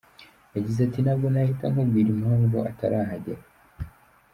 Yagize ati “Ntabwo nahita nkubwira impamvu atarahagera.